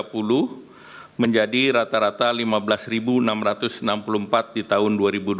rata rata rp lima belas dua ratus tiga puluh menjadi rata rata rp lima belas enam ratus enam puluh empat di tahun dua ribu dua puluh empat